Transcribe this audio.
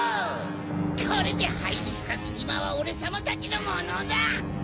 これでハイビスカスじまはオレさまたちのものだ！